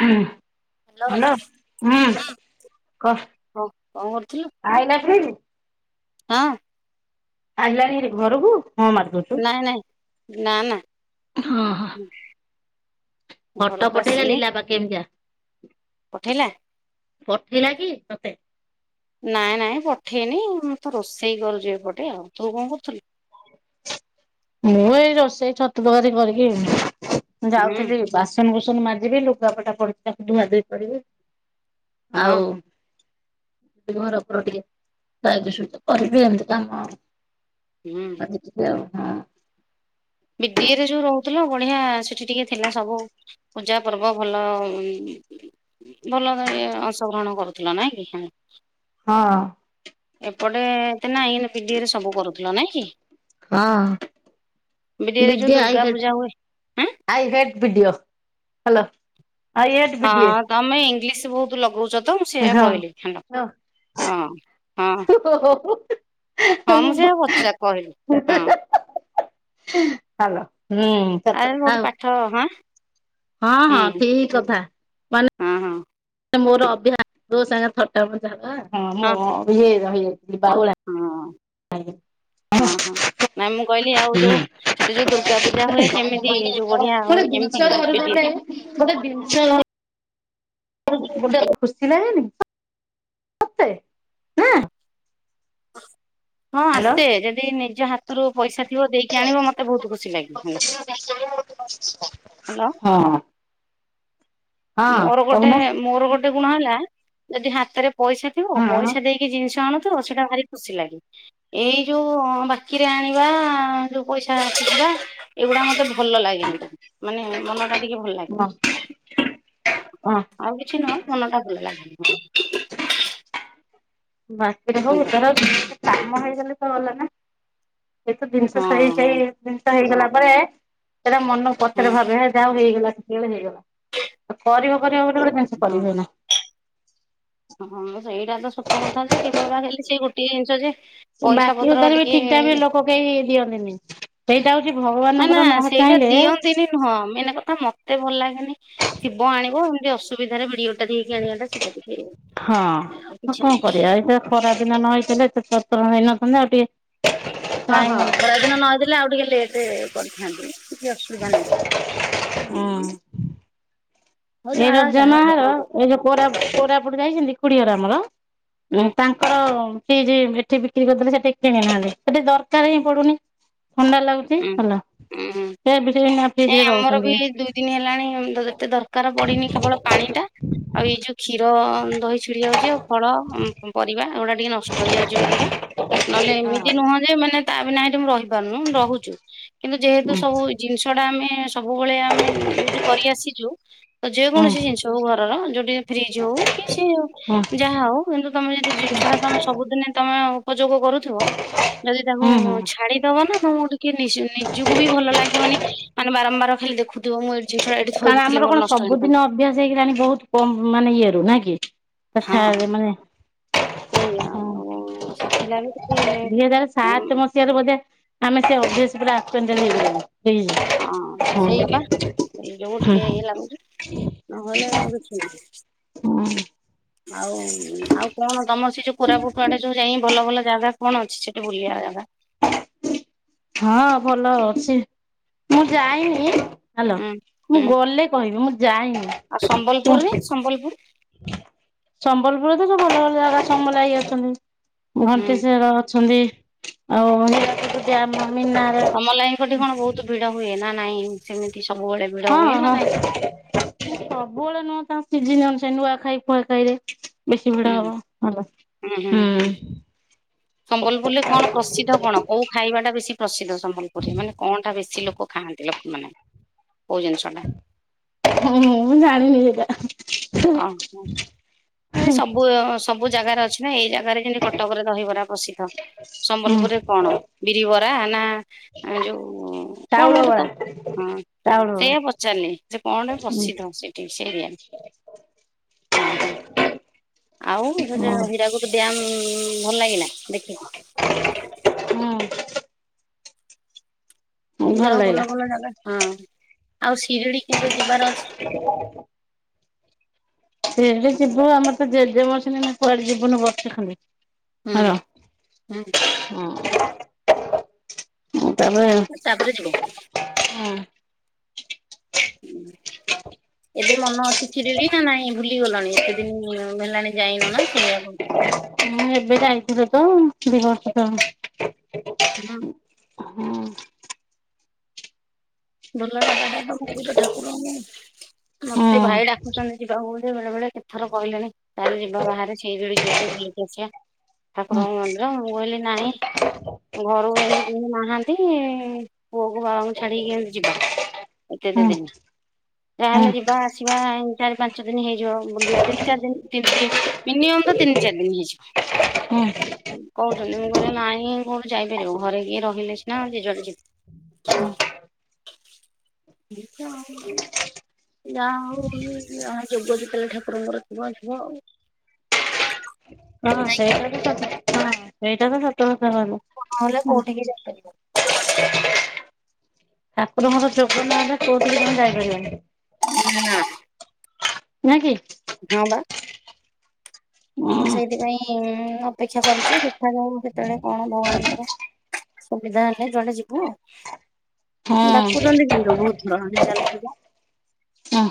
ହଁ। ହ୍ୟାଲୋ ହୁଁ କ [unintelligible] ହଁ କଣ କରୁଥିଲୁ ଆଇଲା କି। ହଁ। ଆଇଲାଣି ହାରି ଘରକୁ। ହଁ ମାରିଦଉଚୁ, ନାଇଁ ନାଇଁ ନା ନା ହଁ ହଁ। ଫଟୋ ଘରକୁ ପଠେଇଲା ଆସିନି ଲିଲା ପା କେମିତିଆ। ପଠେଇଲା। ପଠେଇଲା କି ତତେ। ନାଇଁ ନାଇଁ ପଠେଇନି ମୁ ତ ରୋଷେଇ କରୁଛି ଏପଟେ। ଆଉ ତୁ କଣ କରୁଥିଲୁ। [inaudible] ମୁଁ ଏଇ ରୋଷେଇ ଛତୁ ତରକାରୀ କରିକିି ମୁଁ ହୁଁ ଯାଉଥିଲି ବାସନ ବୁସନ ମାଜିବି ଲୁଗାପଟା ପଡିଛି ତାକୁ ଧୁଆ ଧୁଇ କରିବି। ହଁ ଆଉ। ଘର ଫର ଟିକେ [unintelligible] କରିବି ଏମିତି କାମ। ହୁଁ [unintelligible] ହଁ। ବିଡିଏ ଯୋଉ ରହୁଥିଲ। ବଢିଆ ସେଠି ଟିକେ ଥିଲା ସବୁ ପୂଜା ପର୍ବ ଭଲ ଭଲ ତ ଇଏ ଅଂଶଗ୍ରହଣ କରୁଥିଲ ନାଇଁ କି। ହଁ। ଏପଟେ ଏତେ ନାହିଁ କିନ୍ତୁ ବିଡିଏ ସବୁ କରୁଥିଲ ନାଇଁ କି। ହଁ। ବିଡିଏରେ ଯୋଉ ବିଡ଼ିଓ ଦୁର୍ଗା ଆଇ ହେଟ ପୂଜା ହୁଏ ଆଇ ହେଟ୍ ବିଡ଼ିଓ ହ୍ୟାଲୋ। ହଁ ତମେ ଇଂଲିଶ ବହୁତ ଲଗାଉଛ ତ, ମୁଁ ସେଆ କହିଲି ହେଲା। ହଁ। ହଁ ହଁ। ହଁ ମୁଁ ସେଇଆ ବଚା କହିଲି ହଁ। ହଲୋ ହୁଁ ସତ ଆରେ କଥା। ବହୁତ ପାଠ ହଁ ହଁ ହଁ ହୁଁ ଠିକ କଥା ମାନେ ହଁ ହଁ ମୋର ଅଭ୍ୟାସ [unintelligible] ଥଟ୍ଟା ମଜା ହଁ ହେବା [unintelligible] ବାଉଳା ହଁ [unintelligible] ହଁ ହଁ ନାଇଁ ମୁଁ କହିଲି ଆଉ ଯୋଉ ସେଠି ଯୋଉ ଦୁର୍ଗା ପୂଜା ହୁଏ, କେମିତି ଯୋଉ ବଢିଆ ହୁଏ। କେମିତି [unintelligible] ବିଡିଏ ଗୋଟେ [unintelligible] ଗୋଟେ ଖୁସି ଲାଗେନି? ହଁ ହାଲୋ। ଆସେ ଯଦି ନିଜ ହାତରୁ ପଇସା ଥିବ ଦେଇକି ଆଣିବ ମୋତେ ବହୁତ ଖୁସି ଲାଗେ ହେଲା। ହଁ। ହଁ ମୋର ଗୋଟେ କହୁନ ମୋର ଗୋଟେ ଗୋଟେ ଗୁଣ ହେଲା ଯଦି ହାତରେ ପଇସା ଥିବ ହଁ ପଇସା ଦେଇକି ଜିନିଷ ଆଣୁ ସେଇଟା ଭାରି ଖୁସି ଲାଗେ ଏଇ ଯୋଉ ବାକିରେ ଆଣିବା ଯୋଉ ପଇସା ଆସିଥିବା ଏଗୁଡା ମତେ ଭଲ ଲାଗେନି ଟେ ମାନେ ମନଟା ଟିକେ ଭଲ ହଁ ଲାଗେନି। ହଁ ଆଉ କିଛି ନୁହଁ ମନଟା ଭଲ ଲାଗେନି। ବାକିରେ ହଉ ହାଲୋ ତର କାମ ହେଇଗଲେ ତ ଭଲ ନା। ଏ ତ ଜିନିଷ ହଁ ସେଇ ସେଇ ଜିନିଷ ହେଇଗଲା ପରେ। ସେଇଟା ମନ ହଁ ପଛରେ ଭାବେ ହେ ଯାହା ହେଇଗଲା ସେତବେଳେ ହେଇଗଲା କରିବ କରିବା ଜିନିଷ ହଁ। କରିହୁଏନା। ହଁ ସେଇଟା ତ ସତ କଥା ଯେ କେବଳ ବା ଖାଲି ସେ ଗୋଟଏ ଜିନିଷ ଯେ ପଇସା ବାକି ପତ୍ର ଉଧାର ବି ଟିକେ ଠିକ ଟାଇମରେ ଲୋକ କେହି ଦିଅନ୍ତିନି ସେଇ ନା ନା ସେଇଟା ଦିଅନ୍ତିନି ନୁହଁ ମେନ କଥା ମତେ ଭଲ ଲାଗେନି ଥିବ ଆଣିବ ଅସୁବିଧାରେ ଭିଡି ଆଉ ହଁ କିଛି କଣ ନାହିଁ। କରିବା ଏଇ ଖରାଦିନ ନ ହେଇଥିଲେ। ସତର ଦିନ ତ ଟିକେ ହଁ ଟାଇମ ହଁ ଖରାଦିନ ନ ହେଥିଲେ ଆଉ ଟିକେ ଲେଟ କରିଥାନ୍ତି। କି ଅସୁବିଧା ହୁଁ ନାହିଁ। ହଉ ଏଇ ଯାହା ଯାହା ରଜନାହର ଠାକୁରଙ୍କ ଏଇ ଯୋଉ କୋରାପୁଟ ଯାଇଛନ୍ତି ଖୁଡି ହର ଆମର ଉ ହୁଁ ତାଙ୍କର ସେ ଯେ ଏଠି ବିକ୍ରି କରିଦେଲେ ସେଠି କିଣିଲଲେ ସେଠେ ଦରକାର ହିଁ ପଡୁନି। ଥଣ୍ଡା ଲାଗୁଛି ଭଲ। ହଁ ଏ ଆମର ବି ଦୁଇ ଦିନ ହେଲାଣି ଯେତେ ଦରକାର। ପଡିନି କେବଳ ପାଣିଟା ଆଉ ଏଇ ଯୋଉ କ୍ଷୀର ଦହି ଛିଡି ଯାଉଛି ଆଉ ଫଳ ପରିବା ଏ ଗୁଡା ଟିକେ ନଷ୍ଟ ହେଇଯାଉଛି ବେଲିକା, ନହେଲେ ଏମିତି ନୁହଁ ଯେ ମାନେ ତା ବିନା ହେଠି ମୁ ରହିପାରୁନି ରହୁଛି। କିନ୍ତୁ ଯେହେତୁ ଉଁ ସବୁ ଜିନିଷଟା ଆମେ ସବୁବେଳେ ଆମେ ୟୁଜ୍ କରିଆସିଛୁ ତ ଉଁ ଯେକୌଣସି ଜିନିଷ ହଉ ଘରର ଯେଉଁଠିକି ଫ୍ରିଜ୍ ହେଉ କି ସେଉ ହୁଁ ଯାହା ହଉ କିନ୍ତୁ ତମେ ଯଦି ଜିନିଷ ଟା ତମେ ସବୁଦିନେ ତମେ ଉପଯୋଗ କରୁଥିବ ଯଦି ତାକୁ ହୁଁ ହୁଁ। ଛାଡିଦବ ନା ତ ଟିକେ ନିଜକୁ ବି ଭଲ ଲାଗିବନି ମାନେ ବାରମ୍ବାର ଖାଲି ଦେଖୁଥିବ ମୁଁ ଏଇ ଜିନିଷଟା ଏଠି ଥୋଇ କାରଣ ଦେଇଥିଲେ ଆମର ମୋର କଣ ନଷ୍ଟ ହେଇଥାନ୍ତା ସବୁଦିନ ଅଭ୍ୟାସ ହେଇଗଲାଣି ବହୁତ କମ ମାନେ ଇଏ ରୁ ନା କି? ହଁ। ପଛାରେ ମାନେ ସେଇଆ ହଁ ଆଉ ସେଥିଲାଗି ଟିକେ ଦି ହଜାର ହଁ ସାତ ମସିହାରୁ ବୋଧ ଆମେ ସେ ଅଭ୍ୟାସ ପୁରା ଆକ୍ୟୁଟେଣ୍ଟେ ହେଇଗଲେଣି। ଫ୍ରିଜ ହଁ ସେଇ ବା ହୁଁ ସେଇ ଯୋଉ ଟିକେ ହେଇଲା କୁ ନହେଲେ ଆଉ କିଛି ନାଇଁ। ହୁଁ। ଆଉ ଆଉ କଣ ତମସି ଯୋଉ କୋରାପୁଟ ଆଡେ ଯୋଉ ଯାଇଁ ଭଲ ଭଲ ଜାଗା କଣ ଅଛି ସେଠି ବୁଲିବା ଜାଗା? ହଁ ଭଲ ଅଛି। ମୁଁ ଯାଇନି। ହ୍ୟାଲୋ। ହୁଁ ମୁଁ ହୁଁ ଗଲେ କହିବି। ମୁଁ ଯାଇନି। ଆଉ ତୁ ସମ୍ବଲପୁରରେ ସମ୍ବଲପୁର ସମ୍ବଲପୁର ତ ସବୁ ଭଲ ଭଲ ଜାଗା ସମ୍ବଲାଇ ଅଛନ୍ତି। ହୁଁ। ଘଣ୍ଟେଶ୍ୱର ଅଛନ୍ତି ଆଉ ହୀରାକୁଦ ଡ୍ୟାମ ମିନାର ତମ ଲାଇନଙ୍କଠି କଣ ବହୁତ ଭିଡ ହୁଏ ନା ନାଇଁ ସେମି ହଁ ହଁ ସବୁବେଳେ ନୁହଁ ତ। ସିଜିନି ଅନୁସାରେ ନୂଆ ଖାଇ ଫୁଆ ଖାଇରେ। ବେଶି ହୁଁ ଭିଡ ହବ ହେଲା। ହୁଁ ହୁଁ ହୁଁ। ସମ୍ବଲପୁରରେ କଣ ପ୍ରସିଦ୍ଧ କଣ, କୋଉ ଖାଇବା ଟା ବେଶୀ ପ୍ରସିଦ୍ଧ ସମ୍ବଲପୁରରେ, ମାନେ କଣଟା ବେଶୀ ଲୋକ ଲୋକ ଖାଆନ୍ତି ଲୋକମାନେ? କୋଉ ଜିନିଷ ଟା ମୁଁ ଜଣିନିି ଏଟା। ଅ ହଁ। ମାନେ ସବୁ ଅ ସବୁ ଜାଗାରେ ଅଛି ନା, ଏଇ ଜାଗାରେ ଯେମତି କଟକରେ ଦହିବରା ପ୍ରସିଦ୍ଧ। ହୁଁ ସମ୍ବଲପୁରରେ କଣ ବିରିବରା ନା ଯୋଉ କଣ ଚାଉଳ ଗୋଟେ ବରା ତ? ହଁ ଚାଉଳ ବରା। ସେୟା ପଚାରିଲି ଯେ କଣ ହୁଁ ପ୍ରସିଦ୍ଧ ସେଠି ସେ ଏରିଆରେ? ଅଁ ହଁ। ଆଉ ସେ ଯୋ ହୀରାକୁଦ ଡ଼୍ୟାମ ଭଲ ଲାଗିଲା ଦେଖିକି? ହୁଁ ଯା ହଉ ଭଲ ଭଲ ଜାଗ ହଁ ଆଉ ସିରିଡି କେବେ ଯିବାର ଅଛି ସିରିଡି ଯିବୁ ଆମର ତ ଜେଜେ ମରିଛନ୍ତି। ଏଇନା କୁଆଡେ ଯିବୁନୁ ବର୍ଷେ ଖଣ୍ଡେ। ହୁଁ ହୁଁ। ଆଁ। ତା ପରେ ଯିବୁ। ହଁ ଉଁ। ଏବେ ମନ ଅଛି ସିରିଡି ନା ନାଇଁ ଭୁଲିଗଲଣି ଏତେ ଦିନ ହେଲାଣି ଯାଇନ ନା ସେଇଆକୁ? ମୁଁ ଏବେ ଯାଇଥିଲୁ ତ ଦି ବର୍ଷ ତଳେ। ହୁଁ। ଆଁ ହଁ। ଭଲ ଜାଗା ଟା ତ [unintelligible] ଠାକୁର ମୁଁ ହୁଁ ମତେ ଭାଇ ଡାକୁଚନ୍ତି ଯିବାକୁ ଯେ ବେଳେ ବେଳେ କେତେଥର କହିଲେଣି ଚାଲେ ଯିବା ବାହାରେ ସିରିଡି ଯିବା ଟିକେ ବୁଲ ଯାଇକି ଆସିବା। ହୁଁ ଠାକୁରଙ୍କ ମନ୍ଦିର ମୁଁ କଇଲି ନାଇଁ ଘରୁକୁ ଏମିତି କେଇ ନାହାନ୍ତି ପୁଅକୁ ବାବାଙ୍କୁ ଛାଡିକି କେମ ଯିବା ଏ କେତେ ହୁଁ ଦିନି? ତାହେଲେ ହୁଁ। ଯିବା ଆସିବା ଏଁନ୍ତି ଚାରି ପାଞ୍ଚ ଦିନ ହେଇଯିବ ବୁଲିବା। ତିନି ଚାରି ଦିନ ତି ଦି ମିନିମମ୍ ତ ତିନି ଚାରି ଦିନ ହେଇଯିବ। ହଁ ଉଁ କହୁଚନ୍ତି ମୁଁ କହିଲି ନାଇଁ କୋଉଠୁ ଯାଇପାରିବ। ଘରେ କିଏ ରହିଲେ ସିନା ଯିଏ ଯୁଆଡେ ଯିବ? ବି ତ ଆଉ। ଯା ହଉ ଯାହା ଯୋଗ ଯେତେବେଳେ ଠାକୁରଙ୍କର ଥିବ ଯିବ ଆଉ। [inaudible] ହଁ ସେଇଟା ତ [unintelligible] ସେଇଟା ବି ସତ କଥା କହିଲ। ନହଲେ ହୁଁ କଉଠିକି ଯାଇପାରିବନି। ଠାକୁରଙ୍କର ଯୋଗ ନାଇଲ କୋଉଠିକି ତମେ ଯାଇପାରିବନି। ହୁଁ। ନା କି ହଁ ବା। ମୁଁ ହଁ ସେଇଥିପାଇଁ ଅପେକ୍ଷା କରିଛୁ ଦେଖାଯାଉ କେତେଳେ କଣ ଭଗବାନଙ୍କର ସୁବିଧା ହେଲେ ଯୁଆଡେ ଯିବୁ ଆଉ ହଁ ଡାକୁଛନ୍ତି କିନ୍ତୁ ବହୁତ [unintelligible] ଚାଲ ଯିବ। ହଁ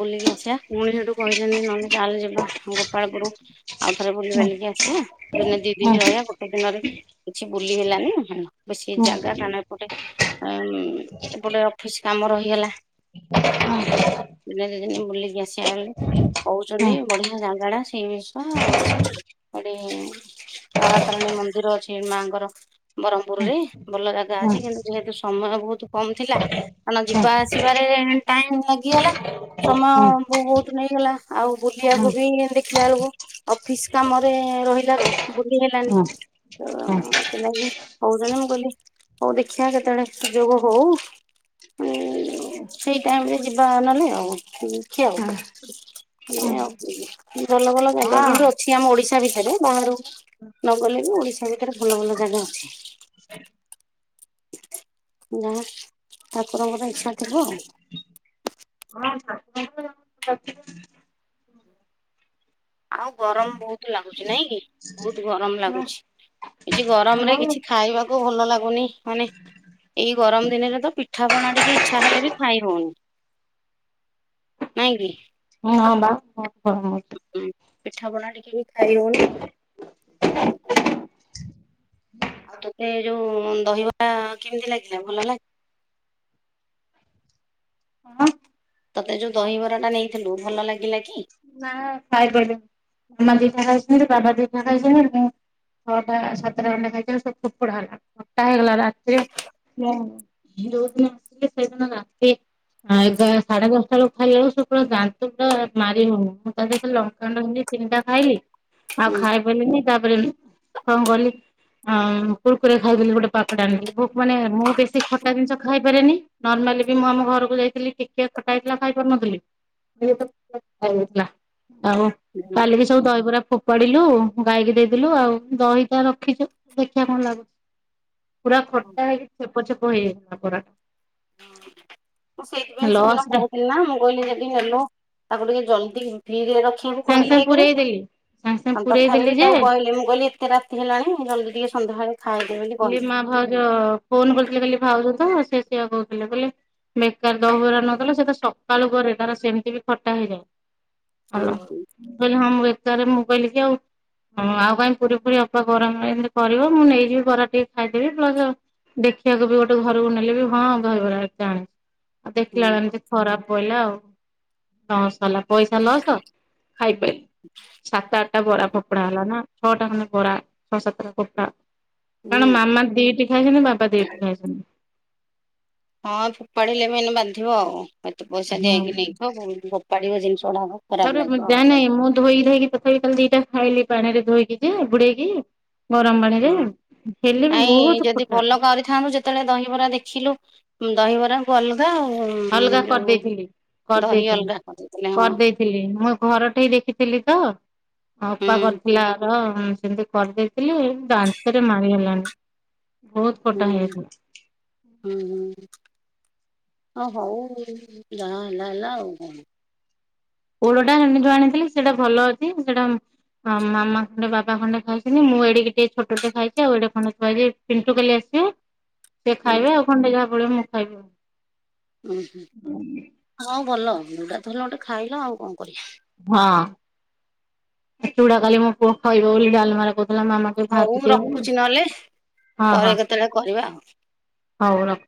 ବୁଲିକି ଆସିବା ପୁଣି ସେଠୁ କହିଛନ୍ତି ନହେଲେ ଚାଲ ଯିବା। [unintelligible] ଆଉ ଥରେ ବୁଲି ହଁ ବାଲିକି ଆସିବା ଦିନେ ଦି ହଁ ଦିନ ହଁ ରହିବା ଗୋଟେ ଦିନରେ କିଛି ବୁଲି ହେଲେ ବେଶୀ ହଁ ଜାଗା ହଁ। କଣ ଏପଟେ ଉଁ ଏପଟେ ଅଫିସ କାମ ରହିଗଲା। ହଁ ହଁ ହଁ ହଁ ହଁ ଆଉ ଦିନେ ଦି ଦିନ ବୁଲିକି ଆସିବା ବୋଲି କହୁଛନ୍ତି ବଢିଆ ଜାଗାଡ଼ା। ଅଛି ଏଠି ତାରାତାରିଣୀ ମନ୍ଦିର ଅଛି ମାଙ୍କର ବ୍ରହ୍ମପୁର ରେ ଭଲ ଜାଗା ଅଛି କିନ୍ତୁ ଯେହେତୁ ସମୟ ବହୁତ କମ ଥିଲା କାରଣ ଯିବା ଆସିବାରେ ଟାଇମ ଲାଗିଗଲା ସମୟ ବହୁତ ନେଇଗଲା ଆଉ ହଁ ବୁଲିବାକୁ ହଁ ବି ଥିଲା ବେଳକୁ ଅଫିସ କାମରେ ରହିଲାରୁ ବୁଲି ହଁ ହେଲାନି। ହଁ ତ ଏଥିଲାଗି କହୁଛନ୍ତି ମୁଁ କହିଲି ହଉ ଦେଖିବା କେତେବେଳେ ସୁଯୋଗ ହଉ ହୁଁ। ସେଇ ଟାଇମରେ ଯିବା ନେଲେ ଆଉ [inaudible] ଆଉ [inaudible] ଭଲ ଭଲ ଜାଗା କିନ୍ତୁ ଅଛି ଆମ ଓଡିଶା ଓଡ଼ିଶା ଭିତରେ ବାହାରକୁ ନଗଲେ ବି ଓଡିଶା ଭିତରେ ଭଲ ଭଲ ଜାଗା ଅଛି। ତାପରେ ମୋର ଇଚ୍ଛା ଥିବ ଆଉ। ହଁ। ଆଉ ଗରମ ବହୁତ ଲାଗୁଛି ନାଇଁ କି ବହୁତ ଗରମ ଲାଗୁଛି। କିଛି ଗରମରେ ହଁ କିଛି ଖାଇବାକୁ ଭଲ ଲାଗୁନି ମାନେ ଏଇ ଗରମ ଦିନରେ ତ ପିଠାପଣା ଟିକେ ଇଚ୍ଛା ହେଲେ ବି ଖାଇ ହଉନି। ନାଇଁ କି। ହଁବା ହଁ। ଗରମ ହଉଛି। ପିଠା ପଣା ଟିକେ ବି ଖାଇ ହଉନି। ଆଉ ତୋତେ ଯୋଉ ଦହିବରା କେମିତି ଲାଗିଲା ଭଲ ଲାଗିଲା। ତୋତେ ଯୋଉ ଦହିବରାଟା ନେଇଥିଲୁ ଭଲ ଲାଗିଲା କି? ଖାଇ ପାରିଲିନ ମାମ ଦିଟା ଖାଇଛନ୍ତି ବାବା ଦିଟା ଖାଇଛନ୍ତି ମୁଁ ଛଅଟା ସାତଟା ଘଣ୍ଡେ ଖାଇଥିଲୁ ସବୁ ଫୋପଡା ହେଲା ଖଟା ହେଇଗଲା ରାତିରେ ଯୋଉ ଦିନ ଆସିଲେ ସେଇଦିନ ରାତି ଏଗାର ସାଢେ ଦଶଟା ବେଳକୁ ଖାଲି ବେଳକୁ ଦାନ୍ତ ପୁରା ମାରିହଉନି। ତା ଦେହରେ ଲଙ୍କାଗୁଣ୍ଡ ମାରିଲି ତିନିଟା ଖାଇଲି ଆଉ କି? ଖାଇ ପାରିଲିନି ତାପରେ କଣ କହିଲୁ? ଅଁ କୁକୁରି ଖାଇଥିଲି ଗୋଟେ ପ୍ୟାକେଟ ଆଣିକି ମାନେ ମୁଁ ବେଶୀ ଖଟା ଜିନିଷ ଖାଇପାରେନି ମୁଁ ଆମ ଘରକୁ ଯାଇଥିଲି ଟିକେ ଖଟା ହେଇଥିଲା ଖାଇପାରୁନଥିଲି। ଆଉ କାଲିିକି ସବୁ ଦହିବରା ଫୋପାଡିଲୁ ଗାଈକି ଦେଇଦଲୁ ଆଉ ଦହିଟା ରଖିଛୁ ଦେଖିବା କଣ ଲାଗୁଛି? ପୁରା ଖଟା ହେଇକି ଛେପ ଛେପ ହେଇଯାଇଥିଲା ପୁରା। ମୁଁ ସେଇଥିପାଇଁ ସେଦିନ କହୁଥିଲି ନା ମୁଁ କହିଲି ଯଦି ନେଲ ତାକୁ ଟିକେ ଜଲ୍ଦି ଫ୍ରିଜରେ ରଖିବୁ ସାଙ୍ଗେ କହିଲି ସାଙ୍ଗେ ଏକରେ ପୁରେଇ ଦେଲି ସାଙ୍ଗେ ସାଙ୍ଗେ ହଁ ପୁରେଇ ତଥାପି ଦେଲି ବି ଯେ ତାକୁ କହିଲେ ମୁଁ କହିଲି ଏତେ ରାତି ହେଲାଣି ଜଲ୍ଦି ଟିକେ ସନ୍ଧ୍ୟାବେଳେ ଖାଇଦେ ବୋଲି କାଲି କହିଲି। ମା ଭାଉଜ ଫୋନ କରିଥିଲେ କାଲି ଭାଉଜ ତ ସେ ସେଆ କହୁଥିଲେ ବୋଲେ ବେକାର ଦହିବରା ନଥିଲା ସେ ତା ସକାଳୁ ପରେ ତାର ସେମିତି ବି ଖଟା ହେଇଯାଏ। ହୁଁ ହ୍ୟାଲୋ ମୁଁ କହିଲି ହଁ ମୁଁ ତାପରେ ମୁଁ କଲିକି ଆଉ ଆଉ କାଇଁ ପୁରୀ ପୁରୀ ଅପା ଗରମ‌ରେ କେମିତି କରିବ ମୁଁ ନେଇଯିବି କର ଟିକେ ଖାଇଦେବି ପ୍ଲସ ଦେଖିବାକୁ ବି ଗୋଟେ ଘରକୁ ନେଲେ ବି ହଁ ଦହିବରା ଟେ ଆଣିଚି। ଆଉ ଦେଖିଲା ହୁଁ ବେଳେ ଏମିତି ଖରାପ ପ‌ଇଲା ଆଉ। ଲସ ହେଲା ପଇଷା ଲସ ଖାଇପାଇ ସାତ ଆଠଟା ବରା ଫୋପଡା ହେଲା ନା। ଛଅ ଟା ଖଣ୍ଡେ ବରା ଛଅ ସାତଟା ଫୋପା ହୁଁ କାରଣ ମାମା ଦିଟି ଖାଇଚନ୍ତି ବାବା ଦିଟିି ଖାଇଚନ୍ତି। ହଁ ଫୋପାଡ଼ିଲେ ମେନ ବାନ୍ଧିବ ଆଉ ଏତେ ପଇଷା ଦିଆହେଇକି ହଁ। ନେଇଥ ପୁଣି ଫୋପାଡିବ ଜିନିଷ। ଗୁଡାକ ଖରାପ ତାପରେ ଲାଗିବ ଯାଆ ନାଇଁ ମୁଁ ଧୋଇ ଧୋଇକି ତଥାପି କାଲି ଦିଟା ଖାଇଲି ପାଣି ରେ ଧୋଇକି ଯେ ବୁଡେଇକି। ଗରମ ପାଣିରେ ହଁ ହେଲେ ବି ନାଇଁ ବହୁତ ଯଦି ଫୁଟା ଭଲ କରିଥାନ୍ତୁ ଯେତେବେଳେ ଦହିବରା ଦେଖିଲୁ। ଦହିବରାକୁ ଅଲ ଅଲଗା କରିଦେଇଥିଲି ଦହି କରିଦେଇଥିଲି। ଅଲଗା କରିଦେଇଥିଲେ ହଁ। କରିଦେଇଥିଲି ମୁଁ ଘର ଠେଇ ଦେଖିଥିଲି ତ ଅପା ହୁଁ କରିଥିଲା ଅଧା। ହଁ ସେମିତି କରିଦେଇଥିଲି ଦାନ୍ତରେ ମାରିହେଲାନି। ହୁଁ, ହୁଁ, ହୁଁ। ହଁ ହୋଉ ଯାହା ହେଲା ହେଲା ଆଉ କଣ। ପୋଡଟା ମମିଠୁ ଆଣିଥିଲି ସେଟା ଭଲ ଅଛି ସେଟା। ଆଉ ମାମା ଖଣ୍ଡେ ବାବା ଖଣ୍ଡେ ଖାଇଚନ୍ତି ମୁଁ ଏଡିକି ଟିକେ ଛୋଟଟେ ଖାଇଚି ଆଉ ଏଡେ ଖଣ୍ଡେୁ ଥୁଆ ହେଇଚି ପିଣ୍ଟୁ କାଲି ଆସି [inaudible] ସେ ହୁଁ ଖାଇବ ଆଉ ଖଣ୍ଡେ ଯାହା ବଳିବ ମୁଁ ଖାଇବି ଆଉ। ହୁଁ ହୁଁ ଆଉ ଭଲ ଯୋଉଟାତ ହେଲେ ଗୋଟେ ଖାଇଲ ଆଉ କଣ। କରିବା। ହଁ ଏତଗୁଡା କାଲି ମୋ ପୁଅ ଖାଇବ ବୋଲି ଡାଲମାଟା କରି କହିଲା ମାମା ଟିକେ ହଉ ଭାଜି ଦିଅ ବୋଲି ରଖୁଛି ନହେଲେ ହଁ ପରେ ହଁ। କେତେବେଳେ କରିବା ଆଉ। ହୋଉ ର